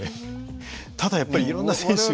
ただやっぱりいろんな選手が。